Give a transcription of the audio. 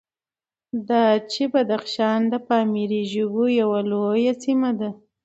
دا چې بدخشان د پامیري ژبو یوه لویه سیمه ده،